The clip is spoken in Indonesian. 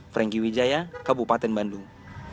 frankie widjaya kabupaten bandung